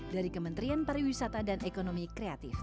dari kementerian pariwisata dan ekonomi kreatif